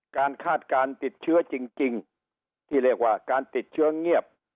คาดการณ์ติดเชื้อจริงที่เรียกว่าการติดเชื้อเงียบ